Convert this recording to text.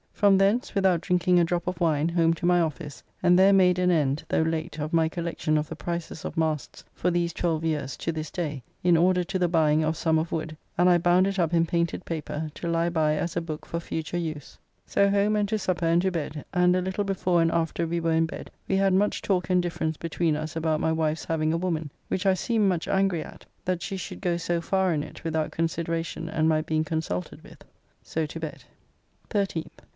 From thence, without drinking a drop of wine, home to my office and there made an end, though late, of my collection of the prices of masts for these twelve years to this day, in order to the buying of some of Wood, and I bound it up in painted paper to lie by as a book for future use. So home and to supper and to bed, and a little before and after we were in bed we had much talk and difference between us about my wife's having a woman, which I seemed much angry at, that she should go so far in it without consideration and my being consulted with. So to bed. 13th.